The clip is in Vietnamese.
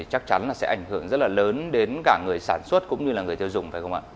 chắc chắn là sẽ ảnh hưởng rất là lớn đến cả người sản xuất cũng như là người tiêu dùng phải không ạ